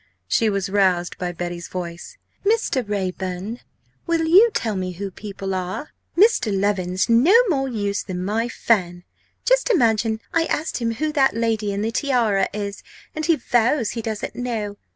She was roused by Betty's voice: "Mr. Raeburn! will you tell me who people are? Mr. Leven's no more use than my fan. Just imagine I asked him who that lady in the tiara is and he vows he doesn't know!